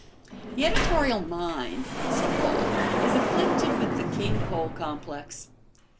The editorial mind, so called, is afflicted with the King Cole complex.